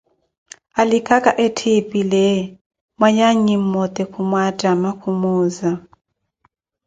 Alilaka etthipile, mwanyannyi mmote khumwatama, khumuuza.